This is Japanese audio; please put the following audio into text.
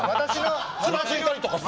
つまずいたりとかさ！